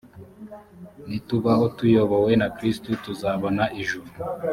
nitubaho tuyobowe na kristo tuzabona ijuru